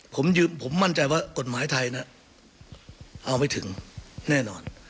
ผมยืมผมมั่นใจว่ากฎหมายไทยนะเอาไม่ถึงแน่นอน